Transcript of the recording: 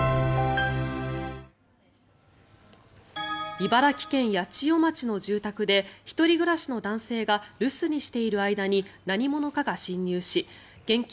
茨城県八千代町の住宅で１人暮らしの男性が留守にしている間に何者かが侵入し現金